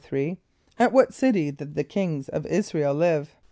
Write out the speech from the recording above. = At what city did the kings of [)I][s+]´ra el live?